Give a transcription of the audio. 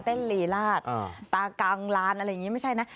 ลีลาดตากลางลานอะไรอย่างนี้ไม่ใช่นะ